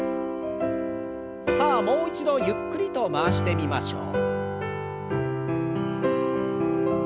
さあもう一度ゆっくりと回してみましょう。